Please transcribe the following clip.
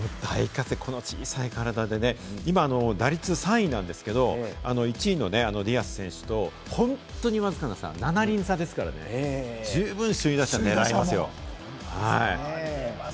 この小さい体でね、今、打率３位なんですけれども、１位のディアス選手と本当にわずかな差、７厘差ですからね、十分、首位打者狙えますよ。